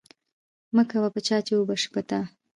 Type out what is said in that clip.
ـ مه کوه په چا ،چې وبشي په تا.